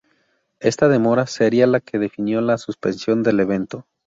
Esta demora sería la que definió la suspensión del evento.